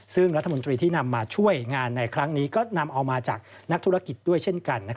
ซึ่งรัฐมนตรีที่นำมาช่วยงานในครั้งนี้ก็นำเอามาจากนักธุรกิจด้วยเช่นกัน